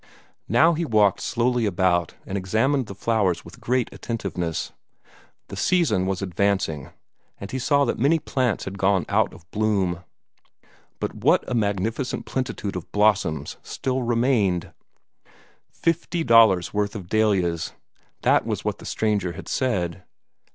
Now he walked slowly about, and examined the flowers with great attentiveness. The season was advancing, and he saw that many plants had gone out of bloom. But what a magnificent plenitude of blossoms still remained! Thirty dollars' worth of dahlias that was what the stranger had said.